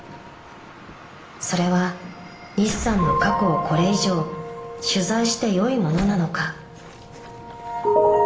［それは西さんの過去をこれ以上取材してよいものなのか］